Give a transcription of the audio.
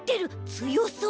つよそう！